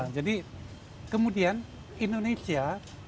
jadi kemudian indonesia